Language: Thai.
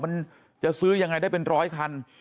มันจะซื้อยังไงได้เป็นร้อยคัน